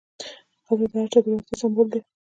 ځغاسته د هر چا د وړتیا سمبول دی